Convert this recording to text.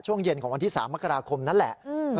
ช่วงเย็นของวันที่๓มกราคมนั่นแหละ